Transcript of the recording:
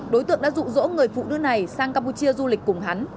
đối tượng đã dụ dỗ người phụ nữ này sang campuchia du lịch cùng hắn